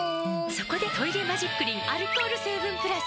そこで「トイレマジックリン」アルコール成分プラス！